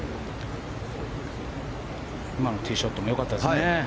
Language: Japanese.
今のティーショットも良かったですね。